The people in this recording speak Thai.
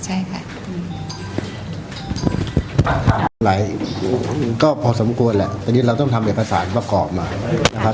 ใช่ค่ะหลายก็พอสมควรแหละตอนนี้เราต้องทำเอกสารประกอบมานะครับ